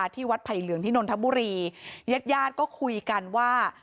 ที่วัดไผ่เหลืองที่นนทบุรีญาติญาติก็คุยกันว่า